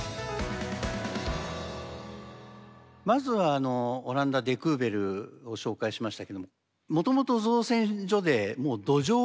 まずはオランダデ・クーベルを紹介しましたけどももともと造船所でもう土壌が汚染されていた。